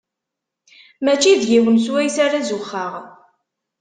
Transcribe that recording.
Mačči d ayen swayes ara zuxxeɣ.